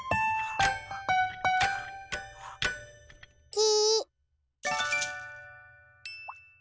き。